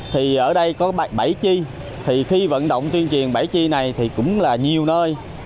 thì ở đây có bảy chi thì khi vận động tuyên truyền bảy chi này thì cũng là nhiều nơi